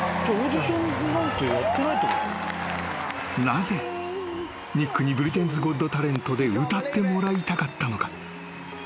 ［なぜニックに『ブリテンズ・ゴット・タレント』で歌ってもらいたかったのか？］